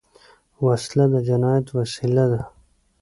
وسله د جنايت وسیله ده